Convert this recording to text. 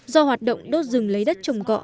do hoạt động đốt rừng lấy đất trồng cọ